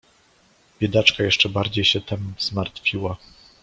"Biedaczka jeszcze bardziej się tem zmartwiła."